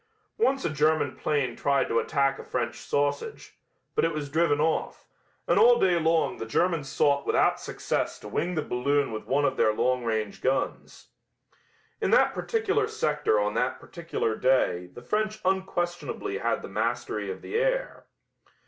Once a German plane tried to attack a French sausage, but it was driven off, and all day long the Germans sought without success to wing the balloon with one of their long range guns. In that particular sector on that particular day the French unquestionably had the mastery of the air.